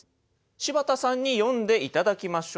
柴田さんに読んで頂きましょう。